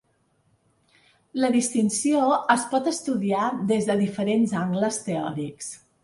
La distinció es pot estudiar des de diferents angles teòrics.